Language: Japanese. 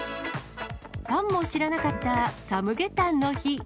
ファンも知らなかったサムゲタンの日。